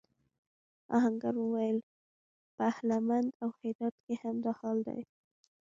آهنګر وویل پهلمند او هرات کې هم دا حال دی.